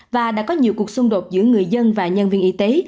và đã có nhiều cuộc xung đột giữa người dân và nhân viên y tế